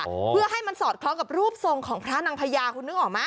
โอ้โหเพื่อให้มันสอดคล้องกับรูปทรงของพระนางพญาคุณนึกออกไหม